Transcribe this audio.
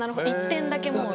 １点だけもう。